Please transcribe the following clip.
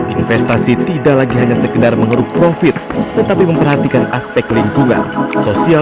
investasi tidak lagi hanya sekedar mengeruk profit tetapi memperhatikan aspek lingkungan sosial dan tata kelola yang baik